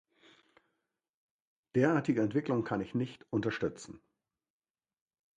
Derartige Entwicklungen kann ich nicht unterstützen.